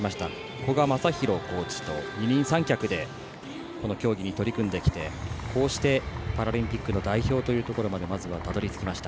古賀コーチと二人三脚でこの競技に取り組んできてこうしてパラリンピックの代表というところまでまずはたどり着きました。